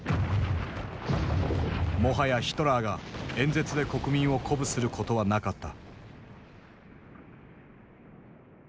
もはやヒトラーが演説で国民を鼓舞することはなかった。